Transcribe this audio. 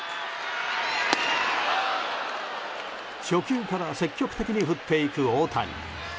初球から積極的に振っていく大谷。